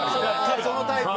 そのタイプ？